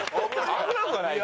危なくはないよ。